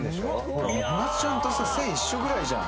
ほなつちゃんと背一緒ぐらいじゃん